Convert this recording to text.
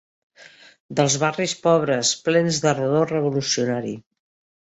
Dels barris pobres, plens d'ardor revolucionari